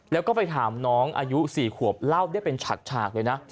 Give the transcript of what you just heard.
แล้วก็ไปถามน้องอายุ๔ขวบเล่าได้เป็นฉากเลยนะ